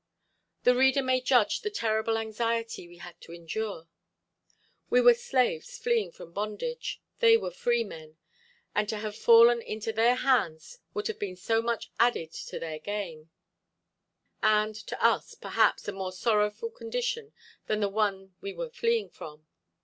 The reader may judge the terrible anxiety we had to endure. We were slaves fleeing from bondage, they were freemen, and to have fallen into their hands would have been so much added to their gain, and to us, perhaps, a more sorrowful condition than the one we were fleeing from.